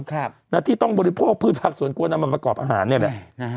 แล้วที่ต้องบริโภคผืดผักสูดกวนนำมาประกอบอาหารเนี่ยแหละ